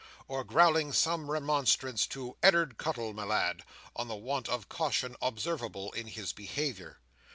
or growling some remonstrance to "Ed'ard Cuttle, my lad," on the want of caution observable in his behaviour.